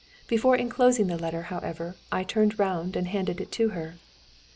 Before enclosing the letter, however, I turned round and handed it to her.